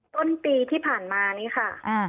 ต้นปีที่ผ่านมานี้ค่ะ